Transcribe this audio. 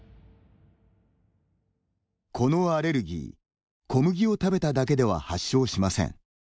このアレルギー小麦を食べただけでは発症しません。